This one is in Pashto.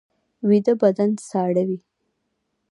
ویده بدن ساړه وي